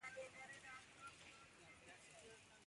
هغه خپلو خپلوانو او ځينو ګاونډيانو ته خبر ورکړ.